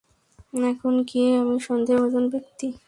এখন কি আমি সন্দেহভাজন ব্যক্তি?